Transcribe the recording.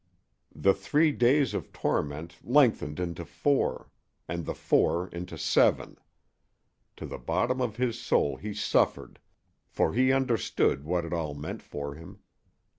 The three days of torment lengthened into four, and the four into seven, To the bottom of his soul he suffered, for he understood what it all meant for him.